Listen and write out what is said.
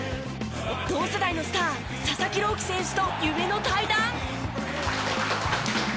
同世代のスター佐々木朗希選手と夢の対談！